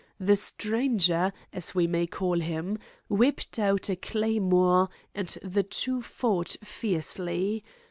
The stranger, as we may call him, whipped out a claymore, and the two fought fiercely.